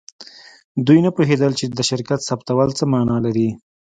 دوی نه پوهیدل چې د شرکت ثبتول څه معنی لري